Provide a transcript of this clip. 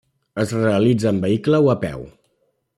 Es realitza en vehicle, o a peu.